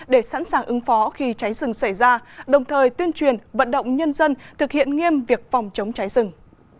để sẵn sàng ứng phó khi cháy rừng xảy ra đồng thời tuyên truyền vận động nhân dân thực hiện nghiêm việc phòng chống cháy rừng